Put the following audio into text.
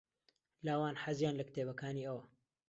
لاوان حەزیان لە کتێبەکانی ئەوە.